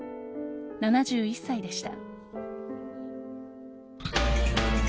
７１歳でした。